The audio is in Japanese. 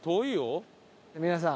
皆さん。